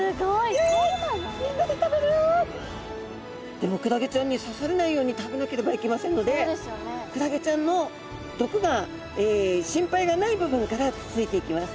でもクラゲちゃんに刺されないように食べなければいけませんのでクラゲちゃんの毒が心配がない部分からつついていきます。